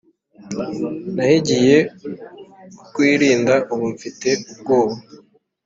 nahigiye kukwirinda. ubu mfite ubwoba